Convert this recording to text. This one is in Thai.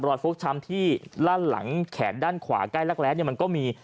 รอยโฟกช้ำที่ล่างหลังแขนด้านขวาใกล้แลกแล้วมันก็มี